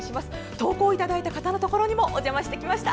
投稿をいただいた方のところにもお邪魔してきました。